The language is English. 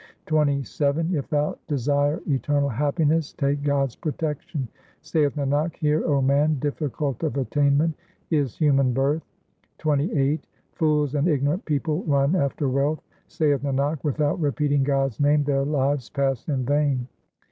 XXVII If thou desire eternal happiness take God's protection ; Saith Nanak, hear, O man, difficult of attainment is human birth. XXVIII Fools and ignorant people run after wealth ; Saith Nanak, without repeating God's name their lives pass in vain.